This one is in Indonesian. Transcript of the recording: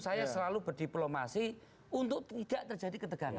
saya selalu berdiplomasi untuk tidak terjadi ketegangan